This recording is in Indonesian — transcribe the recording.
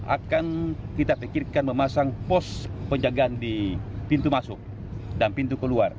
akan kita pikirkan memasang pos penjagaan di pintu masuk dan pintu keluar